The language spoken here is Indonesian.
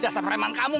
dasar preman kamu